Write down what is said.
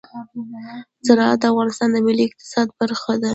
زراعت د افغانستان د ملي اقتصاد برخه ده.